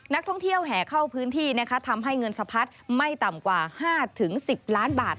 นักท่องเที่ยวแห่เข้าพื้นที่นะคะทำให้เงินสะพัดไม่ต่ำกว่า๕๑๐ล้านบาท